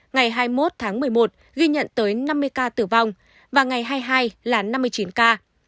ngày hai mươi một tháng một mươi một ghi nhận tới năm mươi ca tử vong và ngày hai mươi hai là năm mươi chín ca